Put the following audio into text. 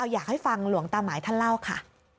อยากให้ฟังหลวงตาหมายท่านเล่าค่ะ